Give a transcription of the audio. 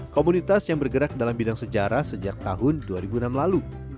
komunitas yang bergerak dalam bidang sejarah sejak tahun dua ribu enam lalu